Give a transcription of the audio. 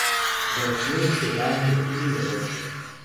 La floración se da entre julio y agosto.